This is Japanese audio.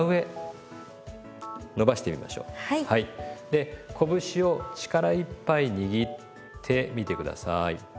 でこぶしを力いっぱい握ってみて下さい。